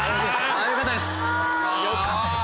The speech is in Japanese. よかったです！